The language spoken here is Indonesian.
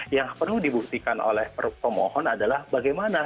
yang perlu dibuktikan oleh pemohon adalah bagaimana